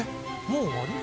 もう終わり？